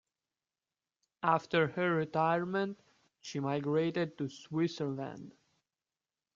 After her retirement she migrated to Switzerland.